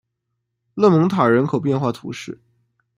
勒蒙塔人口变化图示